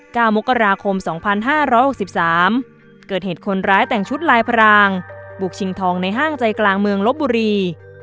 ก้าวมกราคม๒๕๖๓เกิดเหตุคนร้ายแต่งชุดลายพรางบุกชิงทองในห้างใจกลางเมืองลบบุรี